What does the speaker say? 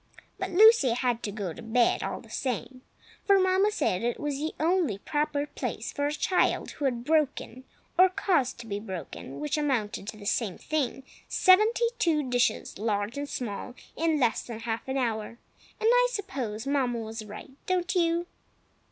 But Lucy had to go to bed, all the same, for Mamma said it was the only proper place for a child who had broken (or caused to be broken, which amounted to the same thing), seventy two dishes, large and small, in less than half an hour. And I suppose Mamma was right, don't you?